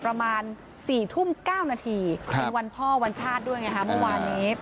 ประมาณสี่ทุ่มเก้านาทีครับวันพ่อวันชาติด้วยไงฮะเมื่อวานี้